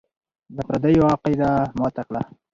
د پردیو عقیده ماته کړه.